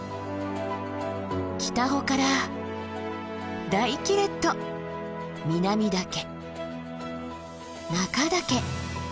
北穂から大キレット南岳中岳！